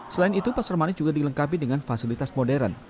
selain itu pasar manis juga dilengkapi dengan fasilitas modern